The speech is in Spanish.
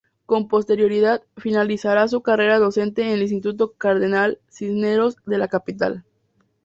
Con posterioridad, finalizará su carrera docente en el Instituto Cardenal Cisneros de la capital.